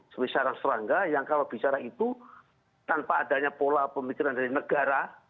sebesar serangga yang kalau bicara itu tanpa adanya pola pemikiran dari negara